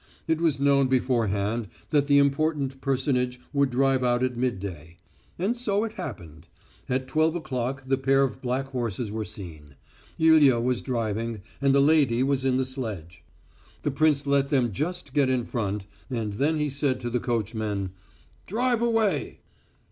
It was known beforehand that the important personage would drive out at midday. And so it happened. At twelve o'clock the pair of black horses were seen. Ilya was driving, and the lady was in the sledge. The prince let them just get in front, and then he said to the coachman: "Drive away!"